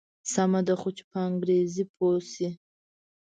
سمه ده خو چې په انګریزي پوی شي.